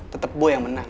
tetep boy yang menang